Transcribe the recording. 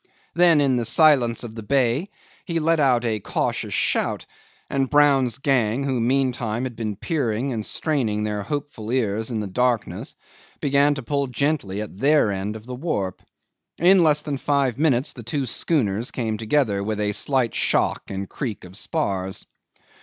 Then in the silence of the bay he let out a cautious shout, and Brown's gang, who meantime had been peering and straining their hopeful ears in the darkness, began to pull gently at their end of the warp. In less than five minutes the two schooners came together with a slight shock and a creak of spars.